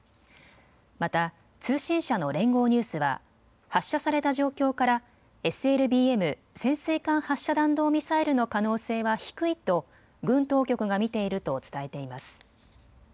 また、通信社の連合ニュースは発射された状況からＳＬＢＭ・潜水艦発射弾道ミサイルの可能性は低いと軍当局が見ていると伝えています。